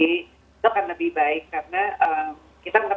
itu akan lebih baik karena